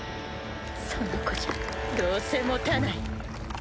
その子じゃどうせもたない。